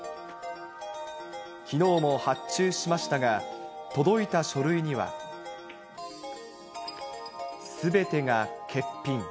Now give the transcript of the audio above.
きのうも発注しましたが、届いた書類には。すべてが欠品。